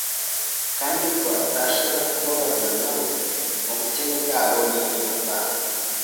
kandi ko atashobora kubabarana na bo mu bukene bwabo n’intimba zabo